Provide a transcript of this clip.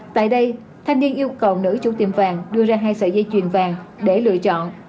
tại đây thanh niên yêu cầu nữ chủ tiệm vàng đưa ra hai sợi dây chuyền vàng để lựa chọn